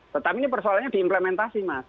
tetapi ini persoalannya diimplementasi mas